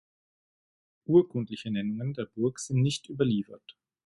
Urkundliche Nennungen der Burg sind nicht überliefert.